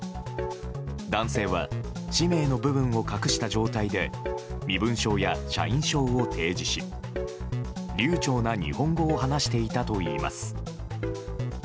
男性は氏名の部分を隠した状態で身分証や社員証を提示し流暢な日本語を話していたといいます。